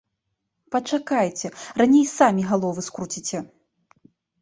Пачакайце, раней самі галовы скруціце.